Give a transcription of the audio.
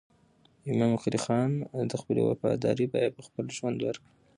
امام قلي خان د خپلې وفادارۍ بیه په خپل ژوند ورکړه.